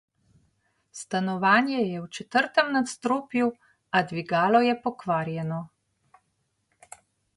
Stanovanje je v četrtem nadstropju, a dvigalo je pokvarjeno...